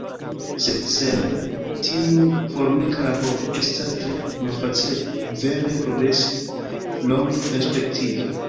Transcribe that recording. Sed sen tiu formika laboro, estas tre malfacile vere progresi longperspektive.